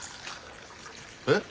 えっ？